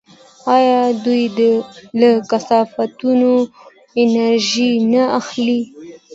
آیا دوی له کثافاتو انرژي نه اخلي؟